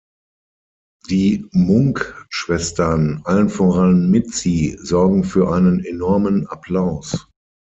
Die Munk-Schwestern, allen voran Mitzi, sorgen für einen enormen Applaus.